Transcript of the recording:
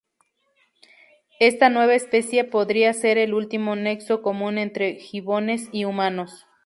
Esta nueva especie podría ser el último nexo común entre gibones y humanos.